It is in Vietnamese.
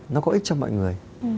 nó có ích cho mọi người